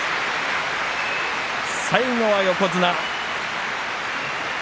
最後は横綱。